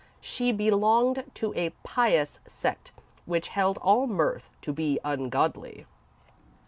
She belonged to a pious sect which held all mirth to be ungodly.